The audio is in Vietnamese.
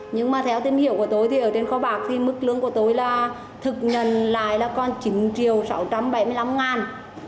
nhưng mà theo tìm hiểu của tôi thì ở trên kho bạc thì mức lương của tôi là thực nhận lại là còn chín triệu sáu trăm bảy mươi năm ngàn